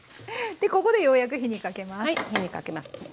でここでようやく火にかけます。